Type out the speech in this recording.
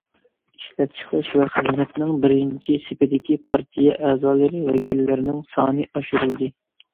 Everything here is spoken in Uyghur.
ئىشلەپچىقىرىش ۋە خىزمەتنىڭ بىرىنچى سېپىدىكى پارتىيە ئەزالىرى ۋەكىللىرىنىڭ سانى ئاشۇرۇلدى.